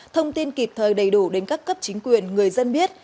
thông tin kịp thời đầy đủ đến các cấp chính quyền người dân biết